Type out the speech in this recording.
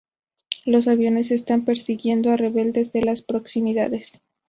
Los aviones estaban persiguiendo a rebeldes en las proximidades.